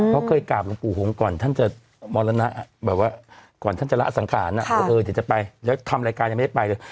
พอเคยกลับลูกหงก่อนท่านจะหม้วรณะแบบว่าก่อนท่านจะเล่าอสังขารณ์อะว่าเออเดี๋ยวจะไปแล้วทำรายการยังไม่ได้ไปเลย